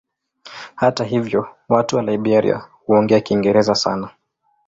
Hata hivyo watu wa Liberia huongea Kiingereza sana.